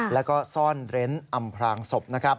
แล้วก็ซ่อนเร้นอำพลางศพ